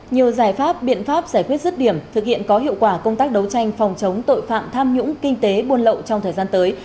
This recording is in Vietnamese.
nhiều giải pháp biện pháp giải quyết rứt điểm thực hiện có hiệu quả công tác đấu tranh phòng chống tội phạm tham nhũng kinh tế buôn lậu trong thời gian tới